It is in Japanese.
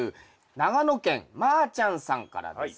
長野県まーちゃんさんからです。